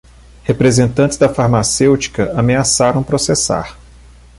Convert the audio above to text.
Representantes da farmacêutica ameaçaram processar